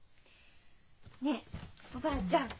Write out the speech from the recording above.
ねえおばあちゃん。